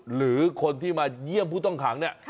หรือคนที่มาเยี่ยมผู้ต้องขังเนี่ย